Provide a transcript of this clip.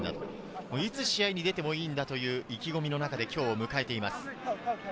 いつ試合に出てもいいんだという意気込みの中で今日を迎えています。